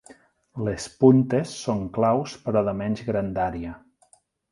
Les puntes són claus però de menys grandària.